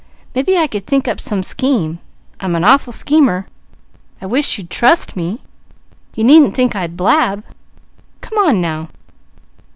Maybe I could think up some scheme. I'm an awful schemer! I wish you'd trust me! You needn't think I'd blab! Come on now!"